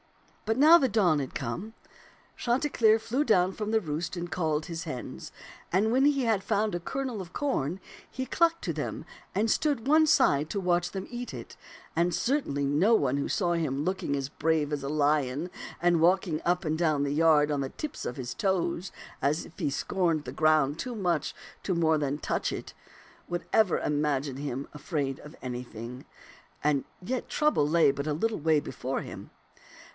But now the dawn had come. Chanticleer flew down from the roost and called his hens, and when he had found a kernel of corn, he clucked to them and stood one side to watch them eat it ; and certainly no one who saw him looking as brave as a lion and walking up and down the yard on the tips of his toes as if he scorned the ground too much to more than touch it would ever imagine him afraid of anything ; t^t (Tlun'0 ^xmfB tak 95 and yet trouble lay but a little way before him.